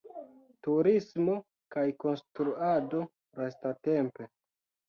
Turismo kaj konstruado lastatempe.